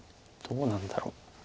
どうなんだろう。